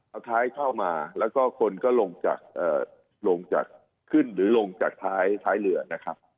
เอาท้ายเข้ามาแล้วก็คนก็ลงจากลงจากขึ้นหรือลงจากท้ายเรือนะครับ